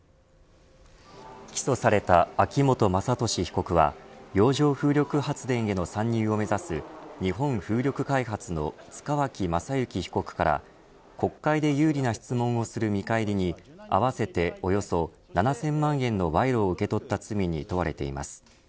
起訴された秋本真利被告は洋上風力発電への参入を目指す日本風力開発の塚脇正幸被告から国会で有利な質問をする見返りに合わせておよそ７０００万円の賄賂を受け取った罪に問われています。